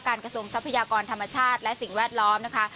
กระทรวงทรัพยากรธรรมชาติและสิ่งแวดล้อมนะคะ